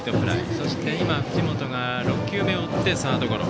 そして今、藤本が６球目を打ってサードゴロ。